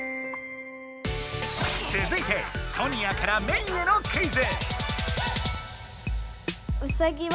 つづいてソニアからメイへのクイズ。